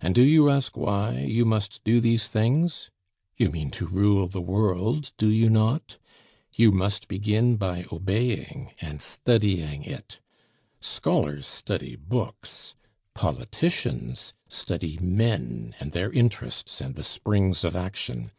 And do you ask why you must do these things? You mean to rule the world, do you not? You must begin by obeying and studying it. Scholars study books; politicians study men, and their interests and the springs of action.